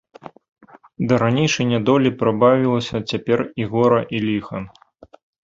Да ранейшай нядолі прыбавілася цяпер і гора і ліха.